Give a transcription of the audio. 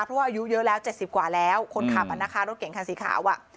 เพราะว่าอายุเยอะแล้ว๗๐กว่าแล้วคนขับอ่ะนะคะรถเก่งคันสีขาว